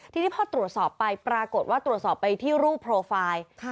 ทีนี้พอตรวจสอบไปปรากฏว่าตรวจสอบไปที่รูปโปรไฟล์